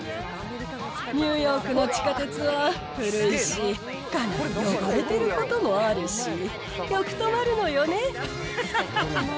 ニューヨークの地下鉄は古いし、かなり汚れてることもあるし、よく止まるのよね。